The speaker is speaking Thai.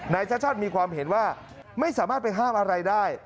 ชาติมีความเห็นว่าไม่สามารถไปห้ามอะไรได้